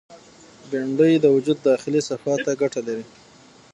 بېنډۍ د وجود داخلي صفا ته ګټه لري